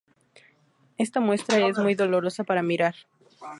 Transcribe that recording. Esta muestra es muy dolorosa para mirar".